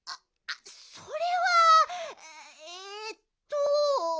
それはえっと。